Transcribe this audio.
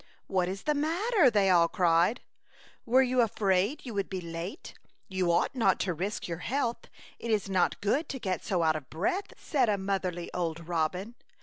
What is the matter?'' they all cried. ''Were you afraid you would be late ? You ought not to risk your health ; it is not good to get so out of breath," said a motherly old robin.